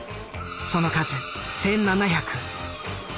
その数１，７００。